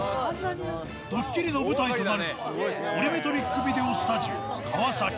ドッキリの舞台となるのは、ボリュメトリックビデオスタジオ、川崎。